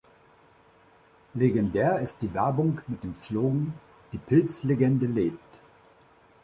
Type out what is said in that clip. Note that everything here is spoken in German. Legendär ist die Werbung mit dem Slogan „Die Pils-Legende lebt“.